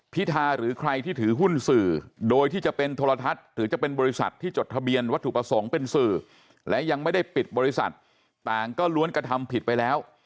ทาหรือใครที่ถือหุ้นสื่อโดยที่จะเป็นโทรทัศน์หรือจะเป็นบริษัทที่จดทะเบียนวัตถุประสงค์เป็นสื่อและยังไม่ได้ปิดบริษัทต่างก็ล้วนกระทำผิดไปแล้ว